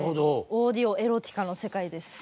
オーディオエロティカの世界です。